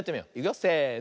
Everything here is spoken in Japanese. せの。